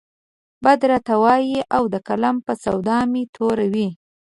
بد راته وايي او د قلم په سودا مې توره وي.